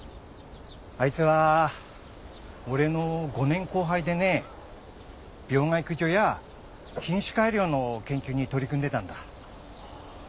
あいつは俺の５年後輩でね病害駆除や品種改良の研究に取り組んでたんだ。